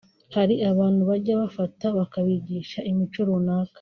Hari abantu bajya bafata bakabigisha imico runaka